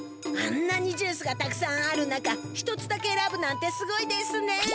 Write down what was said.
あんなにジュースがたくさんある中１つだけえらぶなんてすごいですね！